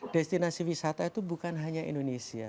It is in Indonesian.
destinasi wisata itu bukan hanya indonesia